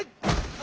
あ